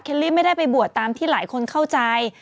ลี่ไม่ได้ไปบวชตามที่หลายคนเข้าใจ